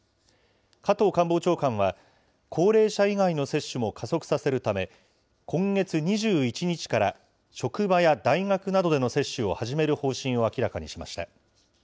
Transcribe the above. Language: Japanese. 加藤官房長官は、高齢者以外の接種も加速させるため、今月２１日から、職場や大学などでの接種を始める方針を明らかにしました。